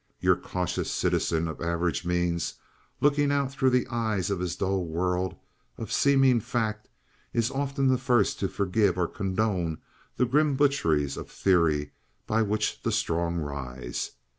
Your cautious citizen of average means, looking out through the eye of his dull world of seeming fact, is often the first to forgive or condone the grim butcheries of theory by which the strong rise.